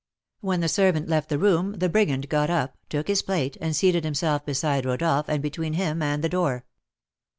When the servant left the room, the brigand got up, took his plate, and seated himself beside Rodolph and between him and the door.